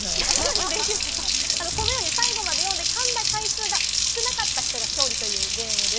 最後まで読んで噛んだ回数が少なかった人が勝利というゲームです。